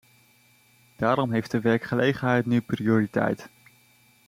Daarom heeft de werkgelegenheid nu prioriteit.